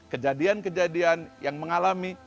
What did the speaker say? kejadian kejadian yang mengalami